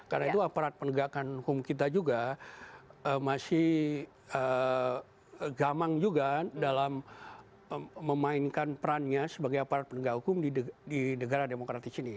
karena itu aparat pendegakan hukum kita juga masih gamang juga dalam memainkan perannya sebagai aparat pendegakan hukum di negara demokratis ini